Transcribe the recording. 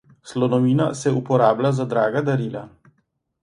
Slonovina se uporablja za draga darila.